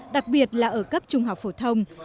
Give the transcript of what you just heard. đặc biệt là ở cấp trung học phổ thông